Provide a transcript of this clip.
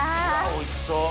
おいしそう。